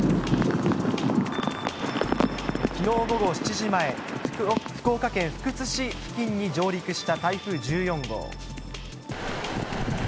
きのう午後７時前、福岡県福津市付近に上陸した台風１４号。